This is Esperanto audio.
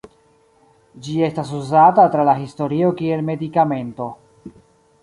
Ĝi estas uzata tra la historio kiel medikamento.